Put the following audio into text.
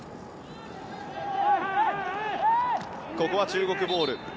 ここは中国ボール。